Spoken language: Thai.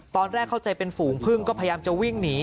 ตอนแรกเข้าใจเป็นฝูงพึ่งก็พยายามจะวิ่งหนี